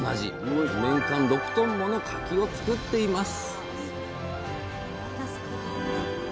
年間６ｔもの柿を作っています